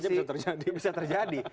apa saja bisa terjadi